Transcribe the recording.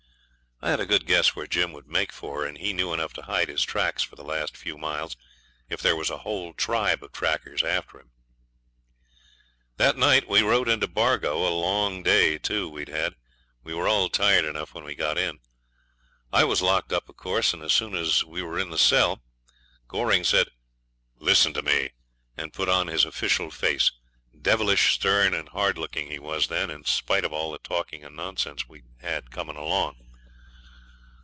I had a good guess where Jim would make for, and he knew enough to hide his tracks for the last few miles if there was a whole tribe of trackers after him. That night we rode into Bargo. A long day too we'd had we were all tired enough when we got in. I was locked up, of course, and as soon as we were in the cell Goring said, 'Listen to me,' and put on his official face devilish stern and hard looking he was then, in spite of all the talking and nonsense we'd had coming along.